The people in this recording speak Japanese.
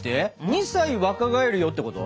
２歳若返るよってこと？